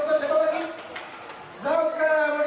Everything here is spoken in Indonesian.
kamu tahu gak yang ini apa ya